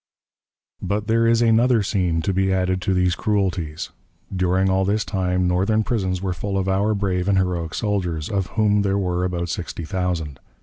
But there is another scene to be added to these cruelties. During all this time, Northern prisons were full of our brave and heroic soldiers, of whom there were about sixty thousand.